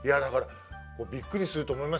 びっくりすると思います。